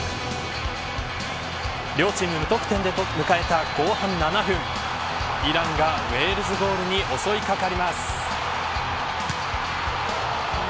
両チーム無得点で迎えた後半７分イランがウェールズゴールに襲いかかります。